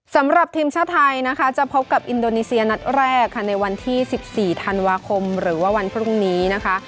สำหรับทีมชาติไทยนะคะจะพบกับอินโดนีเซียนัดแรกค่ะในวันที่๑๔ธันวาคมหรือว่าวันพรุ่งนี้นะคะ